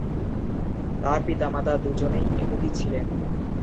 তার পিতামাতা দুজনেই ইহুদি ছিলেন।